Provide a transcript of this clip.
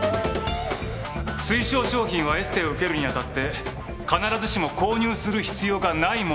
推奨商品はエステを受けるにあたって必ずしも購入する必要がないものにあたる。